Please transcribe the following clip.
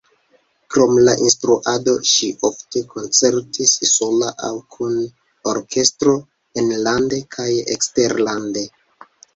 Krom la instruado ŝi ofte koncertis sola aŭ kun orkestro enlande kaj eksterlande.